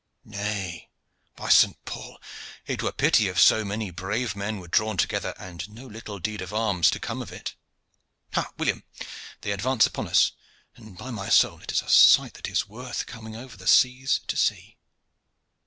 "Nay, by Saint Paul! it were pity if so many brave men were drawn together, and no little deed of arms to come of it. Ha! William, they advance upon us; and, by my soul! it is a sight that is worth coming over the seas to see."